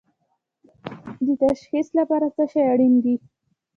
د تشخیص لپاره څه شی اړین دي؟